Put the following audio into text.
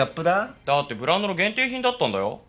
だってブランドの限定品だったんだよ？